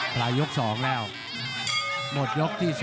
หลายยกสองแล้วหมดยกที่สอง